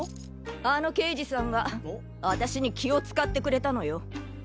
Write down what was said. あの刑事さんが私に気を使ってくれたのよ。